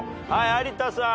有田さん。